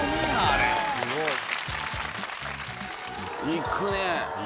いくね。